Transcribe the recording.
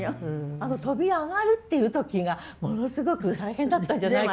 あの飛び上がるっていう時がものすごく大変だったんじゃないかしら。